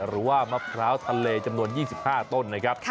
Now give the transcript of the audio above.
หรือว่ามะพร้าวทะเลจำนวน๒๕ต้นนะครับ